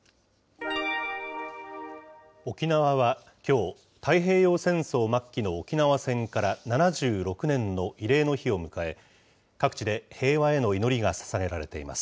沖縄はきょう、太平洋戦争末期の沖縄戦から７６年の慰霊の日を迎え、各地で平和への祈りがささげられています。